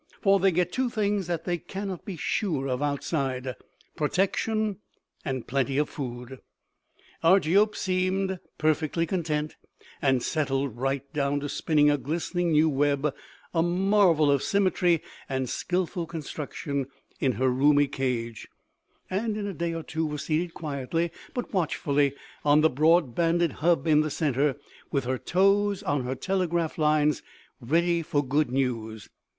For they get two things that they cannot be sure of outside: protection and plenty of food. Argiope seemed perfectly content and settled right down to spinning a glistening new web, a marvel of symmetry and skillful construction, in her roomy cage, and in a day or two was seated quietly but watchfully on the broad banded hub in the center, with her toes on her telegraph lines, ready for good news.